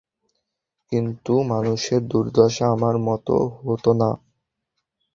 কিন্তু মানুষের দুর্দশা আমার মতো হতো না।